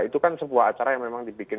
itu kan sebuah acara yang memang dibikin